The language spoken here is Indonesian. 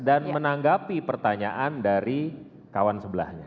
dan menanggapi pertanyaan dari kawan sebelahnya